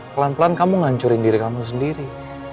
pelan pelan kamu ngancurin diri kamu sendiri